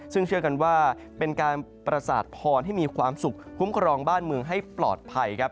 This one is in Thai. ซึ่งเชื่อกันว่าเป็นการประสาทพรให้มีความสุขคุ้มครองบ้านเมืองให้ปลอดภัยครับ